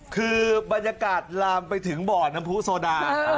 คือบรรยากาศลามไปถึงบ่อน้ำผู้โซดา